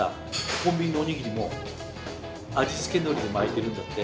コンビニのおにぎりも味付けのりで巻いてるんだって。